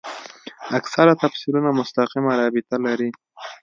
اکثره تفسیرونه مستقیمه رابطه لري.